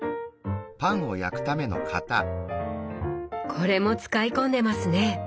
これも使い込んでますね。